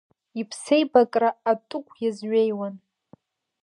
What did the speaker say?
Иԥсеибакра атыгә иазҩеиуан.